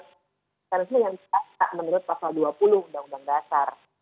karena ini yang kita menurut pasal dua puluh undang undang dasar